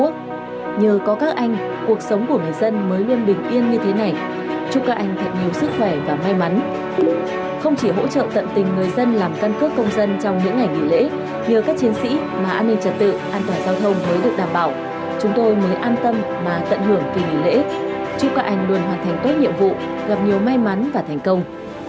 chúc các anh luôn hoàn thành tốt nhiệm vụ gặp nhiều may mắn và thành công